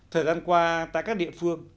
thời gian qua tại các địa phương